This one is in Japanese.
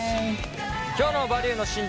今日の「バリューの真実」